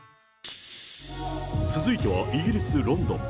続いてはイギリス・ロンドン。